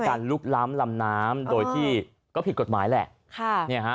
ลุกล้ำลำน้ำโดยที่ก็ผิดกฎหมายแหละค่ะ